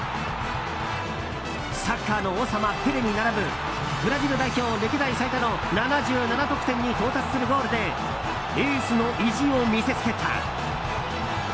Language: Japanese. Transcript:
サッカーの王様ペレに並ぶブラジル代表歴代最多の７７得点に到達するゴールでエースの意地を見せつけた。